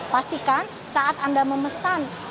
pastikan saat anda memesan